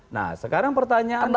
nah sekarang pertanyaannya